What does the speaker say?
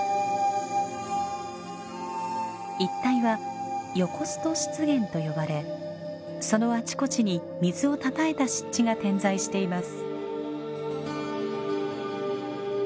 一帯は「ヨコスト湿原」と呼ばれそのあちこちに水をたたえた湿地が点在しています。